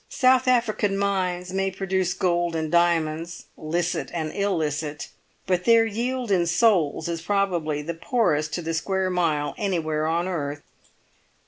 South African mines may produce gold and diamonds (licit and illicit!) but their yield in souls is probably the poorest to the square mile anywhere on earth.